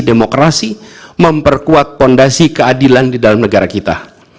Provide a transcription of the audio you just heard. demokrasi memperkuat fondasi keadilan di dalam negara kita